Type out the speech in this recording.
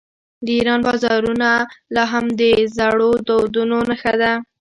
د ایران بازارونه لا هم د زړو دودونو نښه ده.